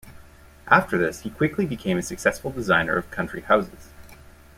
After this he quickly became a successful designer of country houses.